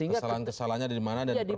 kesalahan kesalahannya dimana dan diperbaiki